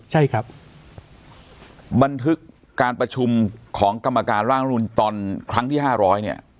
ใช่ครับบันทึกการประชุมของกรรมการร่างรัฐมนุนตอนครั้งที่ห้าร้อยเนี่ย